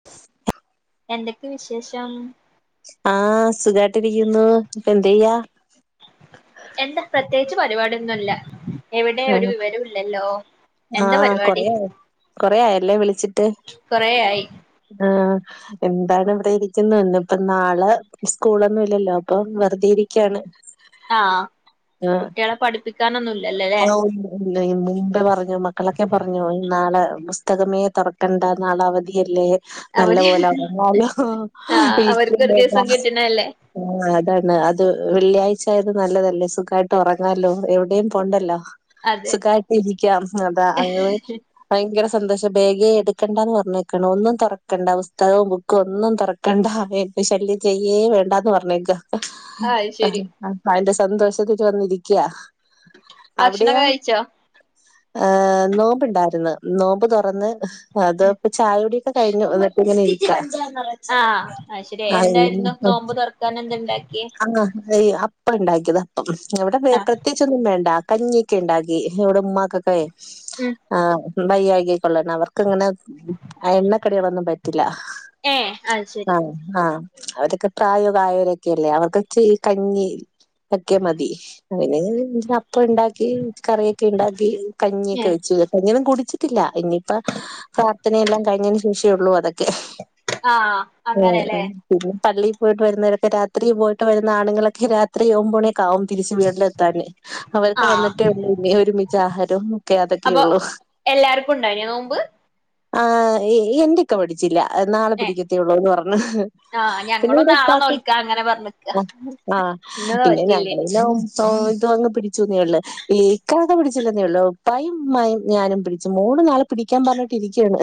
[inaudible] എന്തൊക്കെ വിശേഷം ആഹ് സുഖായിട്ടിരിക്കുന്നു ഇപ്പൊ എന്ത് ചെയ്യാ എന്താ പ്രത്യേകിച്ച് പരിപാടൊന്നുല്ല എവിടെ ഒരു ആഹ് വിവരും ഇല്ലല്ലോ എന്താ ആഹ് പരിപാടി കൊറേ കൊറേയായല്ലേ വിളിച്ചിട്ട് കൊറേ ആയി ആഹ് എന്താണ് ഇവിടെ ഇരിക്കുന്നു ഇന്നിപ്പ നാളെ സ്കൂളൊന്നും ഇല്ലല്ലോ അപ്പൊ വെറുതെ ഇരിക്കാണ്. ആഹ് കുട്ടിയാളെ പഠിപ്പിക്കാനൊന്നുല്ലല്ലേ ഓം മുമ്പേ പറഞ്ഞു മക്കളൊക്കെ പറഞ്ഞു നാളെ പുസ്തകമേ തൊറക്കണ്ട നാളെ അവധിയല്ലേ നല്ല അവര് പോലാ [unintelligible] ആഹ് വിളിക്ക അവർക്കൊരു ദിവസം കിട്ടണല്ലേ [unintelligible] ആഹ് അതാണ് അത് വെള്ളിയാഴ്ചാ യത് നല്ലതല്ലേ സുഖായിട്ട് ഒറങ്ങാലോ എവിടെയും പോണ്ടല്ലോ അതെ സുഖായിട്ട് ഇരിക്കാം അതാ അങ്ങനെ ഭയങ്കര സന്തോഷം ബേഗേ എടുക്കണ്ട എന്ന് പറഞ്ഞേക്കാണ് ഒന്നും തൊറക്കണ്ട പുസ്തകവും ബുക്കും ഒന്നും തൊറക്ക കണ്ട [unintelligible] ശല്യം ചെയ്യേ വേണ്ടാന്ന് പറഞ്ഞേക്ക ആഹ് അതിന്റെ സന്തോഷത്തി വന്നിരിക്കാ അവിടെയാ ഭക്ഷണൊക്കെ കഴിച്ചോ ഏഹ നോമ്പ്ണ്ടായിർന്നു നോമ്പ് തുറന്ന് അത ഇപ്പ ചായ കുടി യൊക്കെ കഴിഞ്ഞു എന്നിട്ട് ഇങ്ങനെ ഇരിക്ക ആഹ് അത് ശരി അ എന്തായിരുന്നു [unintelligible] നോമ്പ് തുറക്കാൻ എന്ത ഉണ്ടാക്കിയേ ആഹ [unintelligible] ഇപ്പ ഇണ്ടാക്കിയത ഇവിടെ ആഹ് പ്രത്യേകിച്ചൊന്നും വേണ്ട കഞ്ഞിയൊക്കെ ഇണ്ടാക്കി ഇവിടെ ഉമ്മാക്കൊക്ക ഉം ആഹ് വയ്യായികി കൊള്ളണം അവർക്ക്ങ്ങനെ എണ്ണക്കടികളൊന്നും പറ്റില്ല ഏഹ് അത് ശരി ആഹ് ആഹ് അവരൊക്കെ പ്രായ ആയവരൊക്കെല്ലേ അവർക്ക് ച്ചിരി കഞ്ഞി ഒക്കെ മതി. പിന്നെ [unintelligible] അപ്പ ണ്ടാക്കി കറിയക്കെ ഇണ്ടാക്കി കഞ്ഞിയക്കെ ഏഹ് വെച്ചു. കഞ്ഞിന്നും കുട്ച്ചിട്ടില്ല ഇഞ്ഞിപ്പ പ്രാർത്ഥനയെല്ലാം കഴിഞ്ഞേന് ശേഷള്ളൂ അതൊക്കെ. ആഹ് ആഹ് അങ്ങനെല്ലേ അതന്നെ പിന്നെ പള്ളി പോയിട്ട് വരുന്നവരൊക്കെ രാത്രി പോയിട്ട് വരുന്ന ആണുങ്ങളക്കെ രാത്രി ഒമ്പോണിക്കാവും തിരിച്ച് വീടിലെത്താന്. അവരക്കെ ആഹ് വന്ന്ട്ടേ ഒള്ളു ഇനി ഒരുമിച്ച ആഹാരം ഒക്കെ അതക്കെ അപ്പൊ ഉള്ളു. എല്ലാർക്കും ഇണ്ടായിനോ നോമ്പ്? ആഹ് യ് എന്ത്? ക്ക [unintelligible] നാളെ ഏഹ് പിടിക്കത്തേള്ളൂന്ന് പർഞ്ഞ് ആഹ് ഞങ്ങളും പിന്നെടെ നാളെ ഇപ്പാക്ക് നോൽക്കാ അങ്ങനെ പറഞ്ഞിക്ക ആഹ് ആഹ് ഇന്ന് പിന്നെ നോറ്റില്ലേനി ഞങ്ങളന്ന ഇത് അങ്ങ് പി ച്ചൊന്നെളള് ഈക്കാക്ക പിടിച്ചില്ലെന്നേ ഉള്ളു ഉപ്പായും ഉമ്മായും ഞാനും പിടിച്ചു മൂന്ന്, നാല് പിടിക്കാൻ പർഞ്ഞ്ട്ടിരിക്കയാണ്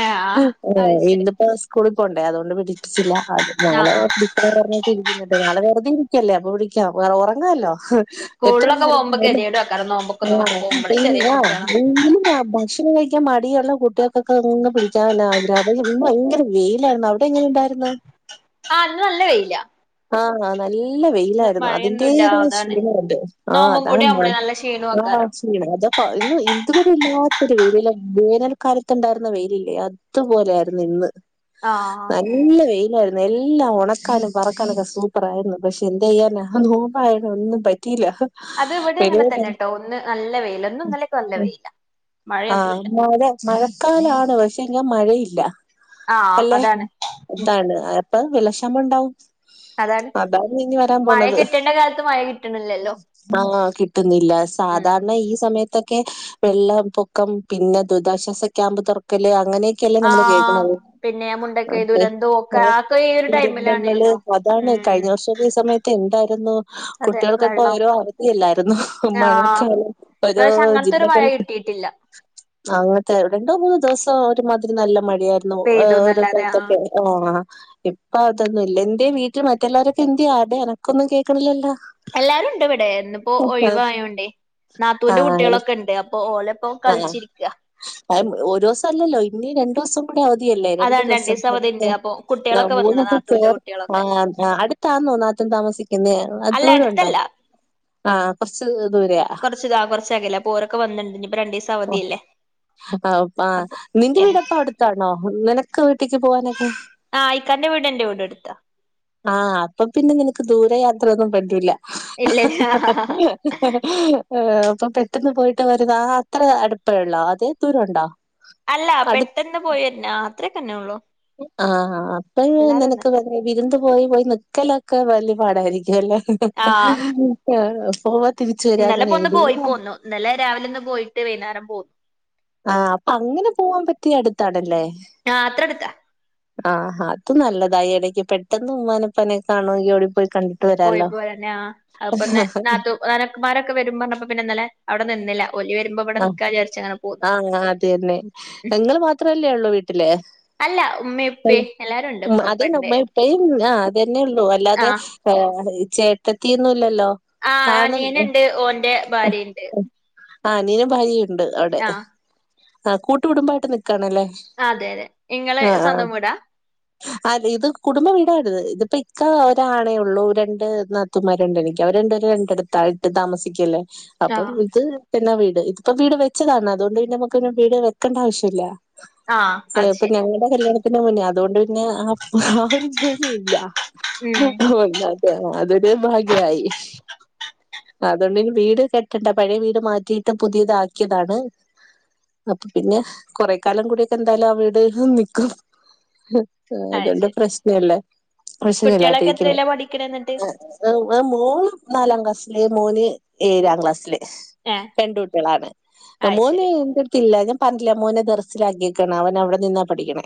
ആഹ് അത് ശരി ഇന്ന്പ്പോ സ്കൂള് പോണ്ടേ അതുകൊണ്ട് പിടിച്ചില്ല അത് ഞങ്ങള് ആഹ് [unintelligible] വേറെഞ്ഞിട്ടി ഇരിക്ക്ന്ന്ണ്ട് നാളെ വെറുതെ ഇരിക്കല്ലേ അപ്പൊ വിളിക്കാം വേറെ ഒറങ്ങല്ലോ. എത്ര സ്കൂളിലൊക്കെ പോകുമ്പോ ഗതികേട് ആക്കാരം നോമ്പൊക്കെ നോറ്റ് പോകുമ്പളെ ചെറിയ കുട്ടികളാ [unintelligible] ഭക്ഷണം കഴിക്കാൻ മടിയുള്ള കുട്ടികൾക്കൊക്കെ അങ്ങ് പിടിക്കാൻ [unintelligible] ഭയങ്കര വെയിലായിരുന്നു. അഒടെ എങ്ങനെ ഇണ്ടായിര്ന്ന്? ആഹ് ഇന്ന് നല്ല വെയില. ആഹ് നല്ല വെയിലായിരുന്നു മഴയൊന്നുല്ല അതിൻ്റേതായ അതാണ് ശീനൊണ്ട്. ആഹ് നോമ്പും അതാണ് കൂടി മ ആവുമ്പളേ നല്ല ക്ഷീണും ആക്കാരം ആഹ് അതപ്പ ഇന്ന് ഇതുവരെ ഇല്ലാത്തൊരു [unintelligible] വേനൽക്കാലത്ത ണ്ടായിരുന്ന വെയിലില്ലേ അ ത് പോലായിരുന്ന് ഇന്ന് ആഹ് നല്ല വെയിലാ എല്ലാം ഒണക്കാനും പറക്കാനൊക്കെ സൂപ്പർ ആയിരുന്നു പക്ഷെ എന്തയ്യാനാ ആഹ് നോമ്പായതെന്നും പറ്റില്ല. അത് ഇവടെ അങ്ങനെ തന്നെട്ടോ ഒന്ന് നല്ല വെയില ഇന്നും ഇന്നലേക്കെ നല്ല വെയില. ആഹ് മഴ മഴക്കാലാണ് പക്ഷെ ഇങ്ങാ മഴയില്ല. ആഹ് എല്ലെ അതാണ് ഇതാണ് അപ്പ വെള്ളക്ഷാമം ഇണ്ടാവും. അതാണ് മഴ കിട്ടേണ്ട കാലത്ത് മഴ കിട്ടണ്ല്ലല്ലോ. ആഹ് കിട്ടുന്നില്ല സാധാരണ ഈ സമയത്തൊക്കെ വെള്ളപ്പൊക്കം പിന്നെ ദുരിതാശ്വാസ ക്യാമ്പ് തൊറക്കല് അങ്ങനെ ക്കല്ലേ നമ്മള് ആഹ് കേക്ക്ണത് പിന്നെ മുണ്ടക്കൈ ക്കെ ദുരന്തവും ഒക്കെ ആഹ് അതൊക്കെ ഈ ഒരു ദുരന്തങ്ങള് ടൈമിലാണല്ലോ അതാണ് ഉം കഴിഞ്ഞ വർഷൊക്കെ ഈ സമയത്ത് എന്തായിരുന്നു അതെ കുട്ടികൾക്കൊക്കെ വെള്ളം ഓരോ അവധില്ലായിരുന്നു. ആഹ് [unintelligible] ഒരോ ഇപ്രാവശ്യം അങ്ങനത്തെ ഒരു മഴ ജില്ലകൾ കിട്ടിയിട്ടില്ല അങ്ങൻത്തെ രണ്ടോ മൂന്നോ ദിവസം ഒരുമാതിരി നല്ല മഴ ആയിരുന്നു ഏഹ് ഒരു പെയ്തുന്നല്ലാതെ ആഹ് സ്ഥലത്തൊക്കെ. ഓഹ് ആഹാ ഇപ്പ അതൊന്നും ഇല്ല എന്തേ വീട്ടിൽ മറ്റെല്ലാരൊക്കെ എന്തേ ആര്ടെ അനക്കൊന്നും കേക്ക്ണില്ലല്ലോ? എല്ലാരും ഇണ്ട് ഇവടെ ഇന്ന്പ്പോ ഒഴിവായോണ്ടേ നാത്തൂന്റെ ആഹ് കുട്ടികളൊക്കെ ഇണ്ട് അപ്പൊ ഓലെ പ്പൊ കൾച്ചിരിക്ക. അഹ് ഒരുസം അല്ലല്ലോ ഇനി രണ്ടുസം അവധിയല്ലേ രണ്ട് അതാണ് ദിവസം രണ്ടീസം അവധിണ്ട് അപ്പൊ ആഹ് കുട്ടികളൊക്കെ മൂന്ന് വന്നിണ് നാത്തൂന്റെ [unintelligible] കുട്ടികളൊക്കെ ആഹ് ആഹ് അട് ത്താന്നോ നാത്തും താമസിക്കുന്നേ അത്ര അല്ല ദൂരം ഇണ്ടോ? അടുത്തല്ല ആഹ് കൊർച്ച് ദൂരയാ. ച്ച്താ കൊർച്ചകലേ അപ്പോരൊക്കെ വന്ന്ണ്ട് ഇഞ്ഞിപ്പം രണ്ടിസ് പ്പൊ ആപ്പ അപ്പൊ നിന്റെ എ വീടെപ്പ അഒട ത്താണോ നിനക്ക് വീട്ടിക്ക് പോകാനൊക്കെ? ആഹ് ഇക്കാന്റെ വീടും എന്റെ വീടും അട്ത്താ. ആഹ് അപ്പ പിന്നെ നിനക്ക് ദൂര യാത്രൊന്നും പറ്റുല്ല. ഇല്ലല്ല ഏഹ് അപ്പൊ പെട്ടെന്ന് പോയിട്ട് വരുന്ന ആഹ് അത്ര അട്പ്പള്ളാ അതി ദൂരൊണ്ട? അല്ല പെട്ടെന്ന് പോയിവര്ന്നെ ആഹ് അത്രക്കെന്നൊള്ളൂ. ആഹ് അപ്പയ്ന് നിനക്ക് [unintelligible] ആഹ് വിര്ന്ന് പോയി പോയി നിക്കലൊക്കെ വെല്ല്യെ പാടായിരിക്കുവല്ലേ. ആഹ് ആഹ് പോവാ തിരിച്ചുവരാ ഇന്നലെ ഇപ്പൊ അങ്ങനായി ഒന്ന് പോയി [unintelligible] പോന്നു ഇന്നലെ രാവിലൊന്ന് പോയിട്ട് വൈന്നാരം പോന്നു. ആഹ് അപ്പങ്ങനെ പോവാൻ പറ്റിയ അട്ത്താണല്ലേ. ആഹ് അത്രട്ത്ത. ആഹാ അത് നല്ലതാ എടക്ക് പെട്ടെന്ന് ഉമ്മനെ ഉപ്പനെ കാണണൊങ്കി ഓടി പോയി കണ്ട് പോയി പോരന്നാ അത്പ്പന്ന് നാത്തൂമ്മാരൊക്കെപാടെക്കെ വരും പർഞ്ഞപ്പോ പിന്നെന്നലെ ആഹ് അങ്ങനെ പോന്ന് ആഹ് ഇങ്ങളതെന്നെ ഉം ഇങ്ങള് മാത്രല്ലേള്ളൂ വീ ട്ല് അല്ല ഉമ്മി ഉപ്പി എല്ലാരുണ്ട് ഇപ്പപ്പണ്ട് ട്ടയിം ആഹ് അതെന്നെള്ളൂ അല്ലാതെ ഏഹ് ചേട്ടത്തിയൊന്നുല്ലല്ലോ ആഹ് അനിയന്ണ്ട് ഓന്റെ ഭാര്യണ്ട്. ആഹ് അനിയനും ഭാര്യയുണ്ട് അവടെ ആഹ് ആഹ് കൂട്ടുകുടുംബായിട്ട് നിക്കാണല്ലേ. ആഹ് അതെ യതെ ഇങ്ങള് സ്വന്തം വീടാ. അതെ ഇത് കുടുംബ വീടാത് ഇതിപ്പോ ഇക്ക ഒരാണേ ഒള്ളൂ രണ്ട് നാ ത്തുമാരുണ്ടെനിക്ക് അവര് രണ്ടേരും രണ്ടെട്ത്തായിട്ട് താമസിക്കല്ലേ അപ്പം ആഹ് ഇത് തന്നെ വീട് ഇപ്പോ വീട് വെച്ചതാണ് അതൊണ്ട് പിന്നമ്മക്ക് പിന്നെ വീട് വെക്കണ്ട ആവശ്യല്ല. ആഹ് ഏഹ് അത് ഇപ്പൊ ശെരി ഞങ്ങടെ കല്യാണത്തിന് മുന്നേ അതോണ്ട് പിന്നെ അപ്പ ആ ഒരു [unintelligible] യില്ല. ഉം അപ്പോ [unintelligible] [unintelligible] അതൊരു ഭാഗ്യായി അതോണ്ട് വീട് കെട്ടണ്ട. പഴേ വീട് മാറ്റീട്ട് പുതിയതാക്ക്യതാണ്. അപ്പൊ പിന്നെ കൊറേ കാലം കൂടിയൊക്കെ എന്തായാലും ആ വീട് നിക്കും. ഉം അത് അതൊണ്ട് ശെരി പ്രശ്നല്ല. കുട്ടികളൊക്കെ പ്രശ്നല്ലാട്ടിരിക്കുന്നു. എത്രയിലാ പഠിക്കണെ എന്നിട്ട് ആഹ് ആഹ് മോള് നാലാം ക്ലാസ്സില് മോന് ഏഴാം ക്ലാസ്സില്. ഏഹ് രണ്ടു ട്ട്യളാണ് അ അത് മോന് ശെരി എൻ്റെട് ത്തില്ല ഞാൻ പർഞ്ഞിട്ടില്ലേ മോന് ദെർസിലാക്കിക്ക്ണ് അവനവടെ നിന്നാ പഠിക്കണേ.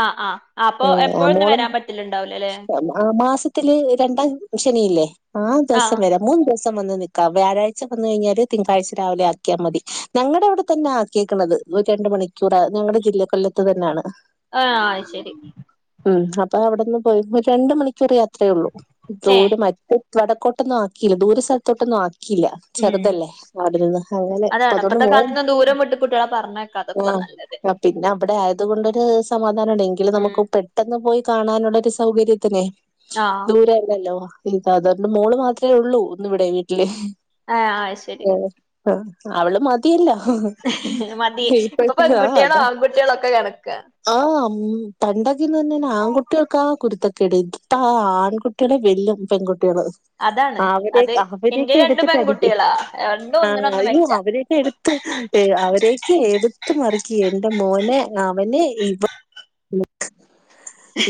ആഹ് ആഹ് അപ്പൊ ഏഹ് ആഹ് എപ്പോഴൊന്നും മോളും വരാൻ പറ്റില്ലുണ്ടാവൂലല്ലേ ആഹ് നാം മാസത്തില് രണ്ടാം ശനിയില്ലേ ആറ് ദെവസം ആഹ് വരാ മൂന്ന് ദിവസം വന്ന് നിക്കാം വ്യാഴാഴ്ച വന്ന് കഴിഞ്ഞാല് തിങ്കളാഴ്ച രാവിലെ ആക്ക്യാ മതി ഞങ്ങടെ ഇവടെ തന്നാക്ക്യേക്ക്ന്നത് ഒര് രണ്ട് മണി [unintelligible] റാ ഞങ്ങടെ ജില്ല കൊല്ലത്ത് തെന്നാണ്. ആഹ് അയ് ശെരി. ഉം അപ്പൊ അവ്ട്ന്ന് പോയപ്പോ രണ്ട് മണിക്കൂർ യാത്രേ ഒള്ളൂ ഏഹ് ദൂരെ മ വടക്കോട്ടൊന്നാക്കില്ല ദൂര സ്ഥലത്തോട്ടൊന്നാക്കില്ല. ഉം ചെറ്തല്ലേ വാടി നിന്ന് അങ്ങനെ അതാണ് ഇപ്പതൊന്നും ഇപ്പത്തെ വോയ് കാലത്തൊന്നും ദൂരം വിട്ട് കുട്ടികളെ പറഞ്ഞയക്കാതൊക്കെ ആഹ് നല്ലത് ആഹ് പിന്നവടെ ആയത് കൊണ്ടൊര് സമാധാനണ്ട് എങ്കിലും ഉം നമുക്ക് പെ ട്ടെന്ന് പോയി കാണാനുള്ളൊരു സൗകര്യത്തിനെ ആഹ് ദൂര അല്ലല്ലോ ഇ സാധാരണ മോള് മാത്രേ ഒള്ളൂ ഒന്ന് വടെ വീട്ടില് ഏഹ് ആഹ് അയ് ശെരി. ആഹ് അവള് മതിയല്ലോ. മതി ഇപ്പൊ ഇപ്പഴത്തെ പെൺകുട്ട്യേളോ ആൺകുട്ട്യേളോക്കെ കണക്കാ. ആഹ് ഉം പണ്ടൊക്കെന്നർഞ്ഞാ ആൺകുട്ട്യെൾക്കാ കുരുത്തക്കേട് ത്താ ആൺകു ട്ടേളെ വെല്ലും പെൺകുട്ടികള്. അതാണ് അവരെ അത് എന്റെ അവരൊക്കെ രണ്ട് എടുത്തി ടിക്കും പെൺകുട്ടികളാ രണ്ടും ആഹ് ഒന്നിനൊന്ന് അയ്യോ മെച്ചാ അവരക്കെ എടുത്ത് അവരെക്കെ എടുത്ത് മറിക്കും. എന്റെ മോനെ അവന് ഇവ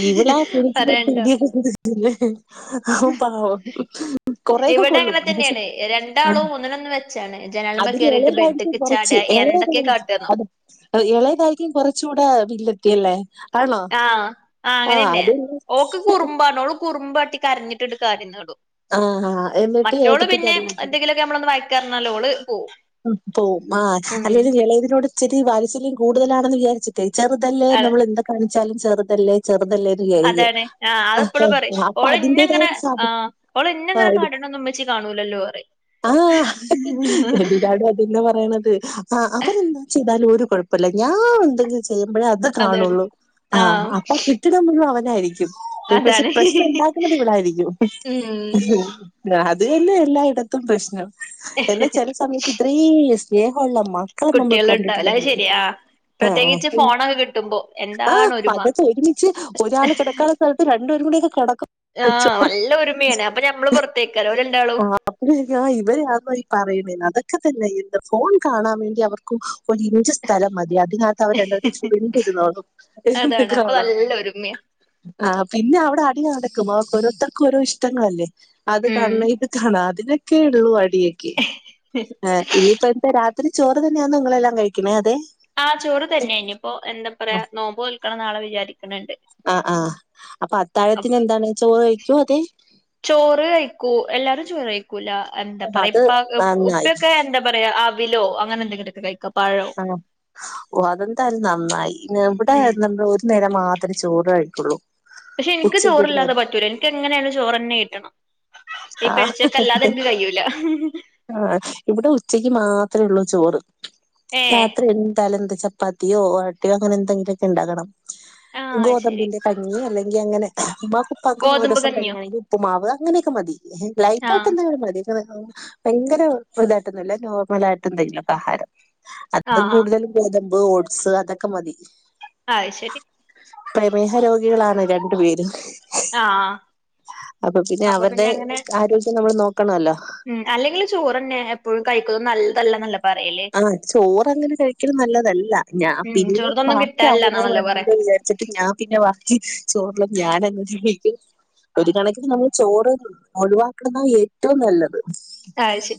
ഇവളാ പറയണ്ടോ [unintelligible] ല്ലെ അവൻ പാവം കൊറേക്കെ ഇവിടെ കൊള്ളും, അങ്ങനെ [unintelligible] തന്നെയാണ് ആ രണ്ടാളും ഒന്നിനൊന്ന് മെച്ചാണ് ജനാലുമ്മേ അതില് കേറിയിട്ട് എളേതായിരിക്കും ബെഡ്ക്ക് കൊറച്ച്, ചാടാ എളേത് എന്തൊക്കെ കൊറച്ചു കാട്ടാന്നോ [unintelligible] എളേതായിരിക്കും കൊറച്ചുടെ വില്ലത്തി അല്ലേ? ആണോ ആഹ് ആ അങ്ങനന്നെ. ഓക്ക് കുറുമ്പാണ്, ഓള് കുറുമ്പ് കാട്ടി കരഞ്ഞിട്ട് ട് കാര്യം നേടും. ആഹ് ഹാ എന്നിട്ട് ഏട്ടത്തിക്ക് അടി മേടിചൊടുക്കും. നമ്മള് ഒന്ന് വായിക്കാനിരിന്നാ ഓള് പോവും. പോവും ആ അല്ലേല്ലി ഉം എളയതിനോട് ഇച്ചിരി വാത്സല്യം കൂടുതലാണെന്ന് വിചാരിച്ച ട്ട് ചെറുതല്ലേ നമ്മള് എന്ത കാണിച്ചാലും ചെറുതല്ലേ ചെറുതല്ലേ എന്ന് അതെ വിചാരിക്കും അതെ ആ അത് എപ്പോള് പറയും. ആ, അപ്പൊ ഓള് അതിന്റേതായ എന്നെങ്ങനെ ആഹ് ഓളന്നെ ഇങ്ങനെ ഒരു കാടണൊന്നും ഉമ്മ ച്ചി കാണൂലല്ലോ പറയും. ആഹ് എല്ലാടും അതന്നെ പറയണത്, അവരെന്താ ചെയ്താലും ഒരു കുഴപ്പല്ല, ഞാൻ എന്തെങ്കിലും ചെയ്യുമ്പോഴ അതാ ഇത് അതാണ് കാണുള്ളൂ. ആ ആഹ് അപ്പൊ കിട്ടണ മുഴുവനും അവനായിരിക്കും. പക്ഷെ അതാണ് പ്രശ്നം ഉണ്ടാക്കുന്നത് ഇവളായിരിക്കും. ഉം ഉം അതന്നെ എല്ലായിടത്തും പ്രശ്നം. എന്നാ ചെല [inaudible] സമയത്ത് ഇത്രയും സ്നേഹമുള്ള മക്കള നമ്മള് കുട്ടികള് ഉണ്ടാവൂല കണ്ടിട്ടില്ലാന്ന് അത് വിചാരിക്കും. ശരിയാ ആഹ് പ്രത്യേകിച്ച് [unintelligible] ഫോണൊക്കെ കിട്ടുമ്പോ എന്താണ് ഒരുമ അതൊക്കെ ഒരുമിച്ച് ഒരാള് കിടക്കാ സ്ഥലത്ത് രണ്ടു പേരുടെക്ക കെടക്കും ആഹ് നല്ല ഒരുമേണ്, അപ്പൊ ഞമ്മള് പുറത്തേക്ക ല്ലോര് രണ്ടാളും [unintelligible] ഇവര് [unintelligible] പറയണ അതൊക്കെ തന്നെ എന്ത് ഫോൺ കാണാൻ വേണ്ടി അവർക്കും ഒരു ഇഞ്ച് സ്ഥലം മതി അതിന അവര് രണ്ടൊരു അതാണ് അപ്പൊ നല്ല [unintelligible] [unintelligible] ഒരുമയാ ആ പിന്നെ അവിടെ അടി നടക്കും. ഓരോരുത്തർക്കും ഓരോ ഇഷ്ടങ്ങളല്ലേ. അത് ഉം കണ് ഇത് കാണാം അതിനൊക്കെ ഉള്ളൂ അടിയൊക്കെ. [inaudible] ആ ഇനിയിപ്പ എന്താ രാത്രി ചോറ് തന്നെയാന്നോ നിങ്ങളെല്ലാം കഴിക്കണേ അതെ, ആഹ് ചോറ് തന്നെ ഇനിപ്പോ എന്താ പറയാ, നോമ്പ് നോൽക്കണം നാളെ വിചാരിക്കണണ്ട്. ആഹ് ആ അപ്പൊ അത്താഴത്തിന് എന്താണ് ചോറ് കഴിക്കോ അതെ, ചോറ് കഴിക്കൂ. എല്ലാരും ചോറ് കഴിക്കൂല എന്താ ഓ പറയാ, അത് ഇപ്പ നന്നായി ഉപ്പൊക്കെ എന്താ പറയാ, [unintelligible] അങ്ങനെ എന്തെങ്കിലൊക്കെ കഴിക്കും. ആ ഓഹ് അതെന്തായാലും നന്നായി ഇവിടെ ഉം നമ്മള് ഒരു നേരം മാത്ര [unintelligible] ചോറായിട്ടുള്ളൂ. പക്ഷെ എനിക്ക് ചോറില്ലാതെ പറ്റൂല. എനിക്ക് എങ്ങനേണേലും ചോറന്നെ കിട്ടണം. ഈ ആ [unintelligible] അല്ലാതെ എനിക്ക് കയൂല. ആഹ് ആ ഇവിടെ ഉച്ചക്ക് മാത്രേ ഉള്ളൂ ചോറ്. ഏ രാത്രി എന്താലും എന്ത് ച പത്തിയോ [unintelligible] അങ്ങനെ എന്തെങ്കിലുമൊക്കെ ഉണ്ടാകണം. ആഹ് അത് ശരി ഗോതമ്പിന്റെ, കഞ്ഞി അല്ലെങ്കി അങ്ങനെ. ഉമ്മാക്കും ഉപ്പാക്കും ഒരു ഗോതമ്പ് ദിവസം കഞ്ഞി കഞ്ഞിയോ ആണെങ്കി ഉപ്പ് മാവ് അങ്ങനെയൊക്കെ മതി. ലൈറ്റായിട്ട് ആഹ് എന്തെങ്കിലും മതി. ഭയങ്കര ഇതായിട്ടൊന്നുംല്ല നോർമൽ ആയിട്ടൊന്നും ഇല്ല ഇപ്പാഹാരം. അതും ആഹ് ആ കൂടുതല് ഗോതമ്പ് ഓട്സ് അതൊക്കെ മതി. അത് ശരി പ്രമേഹ രോഗികളാണ് രണ്ടു പേരും ആഹ് അപ്പൊ പിന്നെ അതെ അങ്ങനെ ആരോഗ്യം നമ്മൾ നോക്കണോല്ലൊ ഉം അല്ലെങ്കിൽ ചോറ്ന്നെ എപ്പോഴും കഴിക്കതും നല്ലതല്ല തല്ലെ ആഹ് ചോറങ്ങനെ കഴിക്കലും നല്ലതല്ല ഞാ ഉം പിന്നെ ചോറിന്നൊന്നും കിട്ടാനില്ലന്നാണല്ലോ ബാക്കിയാവുല്ലോന്ന് പറയാ വിജാരിച്ച് ച്ചിട്ട് ഞാൻ പിന്നെ ബാക്കി ചോറ്ള്ള ത് ഞാൻ അങ്ങ് കഴിക്കും ഒരു കണക്കിന് നമ്മൾ ചോറ് ഒഴിവാക്കണതാ ഏറ്റവും നല്ലത് അത് ശരി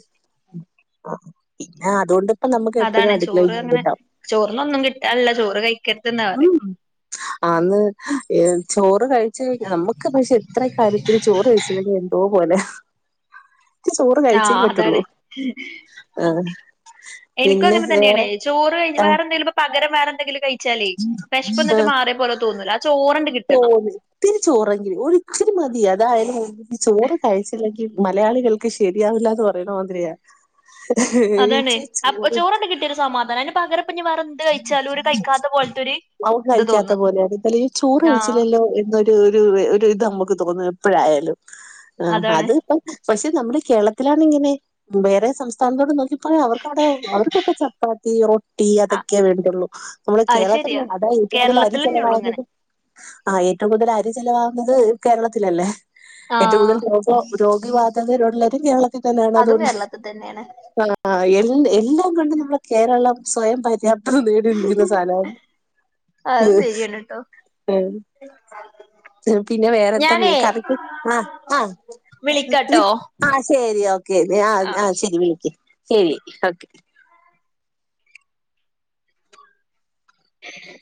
ആ പിന്നെ അതുകൊണ്ട്പ്പ നമുക്ക് എപ്പഴും അടുക്കളെ നിന്ന്കൂട്ടാം ചോറിനൊന്നും കിട്ടാനില്ല ചോറ് കഴിക്കരുതന്നാ പറയും ഉം ആന്ന് ഏഹ് ചോറ് കഴിച്ച കഴി നമ്മുക്ക് പക്ഷെ എത്ര [unintelligible] ചോറ് കഴിച്ചില്ലെങ്കിഎന്തോ പോലെ ഇത്തിരി ചോറ് കഴിച്ചേ ആഹ് പറ്റുള്ളൂ. അതാണ് ആഹ് പിന്നെ എനിക്കുംങ്ങനെ തന്നേണ് വേറെ ചോറ് കഴിഞ്ഞ് ആഹ് വേറെന്തേലും പകരം വേറെന്തെങ്കിലും കഴിച്ചാലേ വിഷപ്പ് ന്നിട്ട് മാറിയപോലെ തോന്നൂല്ല ചോറന്നെ കി തോന്നി ത്തിരി ചോറെങ്കിൽ ഒരിച്ചിരി മതി അതായാലും ചോറ് കഴിച്ചില്ലെങ്കിൽ മലയാളികൾ ക്ക് ശരിയാവില്ലാന്ന് പറയണ മാതിരിയ അതാണ് ച്ചി അപ്പൊ ചോറ് ചോറണ്ട് കിട്ടിയ ഒരു സമാധാനം അതിന് പകരഇപ്പൊ വേറെ എന്ത് കഴിച്ചാലും ഒര് കഴിക്കാത്ത പോലത്തൊര് അവൻ കഴിക്കാത്ത പോലേണ് ഈ ചോറ് ആഹ് കഴിച്ചില്ലല്ലോ എന്തോ ഒരു ഒരുത് നമുക്ക് തോന്നും എപ്പോഴായാലും അതാണ് അത്പ്പം പക്ഷെ നമ്മടെ കേരളത്തിലാണ്ങ്ങനെ വേറെ സംസ്ഥാനത്തോട് നോക്കി യേ അവർക്കവിടെ അവർക്കൊക്കെ ചപ്പാത്തി റൊട്ടി ആഹ് അതൊക്കെ വേണ്ടുള്ളൂ നമ്മുടെ അത് കേരള ത്തിൽ ശരിയാ അതാ ഏറ്റവും കൂടുതൽ അരി കേരളത്തിലന്നെ ഉള്ളൂ ഇങ്ങനെ ചെലവാവുന്നതും ആഹ് ഏറ്റവും കൂടുതൽ അരി ചെലവാകുന്നത് കേരളത്തിലല്ലേ ഏറ്റവും കൂടുതൽ ആഹ് ര രോഗി ബാധകരുള്ളരും കേരളത്തിൽ തന്നെയാണ് അതും അതുകൊണ്ട് കേരളത്തിൽ തന്നെയാണ് ആഹ് ആഹ് എ എല്ലാംകൊണ്ടും നമ്മുടെ കേരളം സ്വയം പര്യാപ്ത നേടിയിരിക്കുന്ന സ്ഥലമാണ് ഉം അത് ഉം ശരിയാണ് ട്ടോ ശെരി പിന്നെ വേറെന്താ ഞാനേ മീൻ കറിക്ക് ആഹ് ആഹ് വിളിക്കാട്ടോ ആഹ് ശരി ഓക്കെ ആഹ് ആഹ് ശരി വിളിക്ക് ശരി ഓക്കെ ഏഹ്